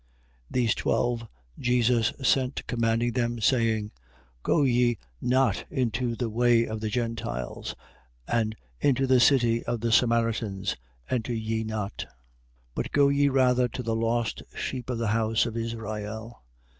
10:5. These twelve Jesus sent: commanding them, saying: Go ye not into the way of the Gentiles, and into the city of the Samaritans enter ye not. 10:6. But go ye rather to the lost sheep of the house of Israel.